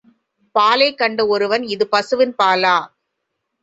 பாலைக் கண்ட ஒருவன் இது பசுவின் பாலா?